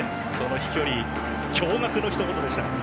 飛距離、驚がくのひと言でした。